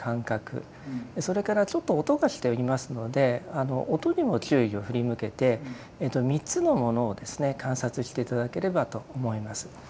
それからちょっと音がしておりますので音にも注意を振り向けて３つのものをですね観察して頂ければと思います。